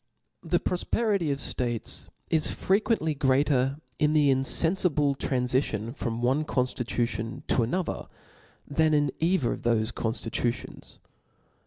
The profperity of ftatcs is frequently greater in the infenfible tranlicion from one conflitucion to another, than in either of thofe conftitutions.